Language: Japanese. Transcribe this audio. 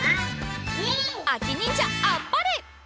あきにんじゃあっぱれ！